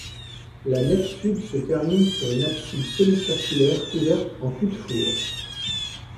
La nef sud se termine sur une abside semi-circulaire couverte en cul-de-four.